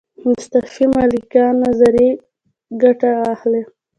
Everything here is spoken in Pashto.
مصطفی ملکیان نظریې ګټه واخلم.